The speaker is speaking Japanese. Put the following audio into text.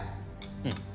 うん。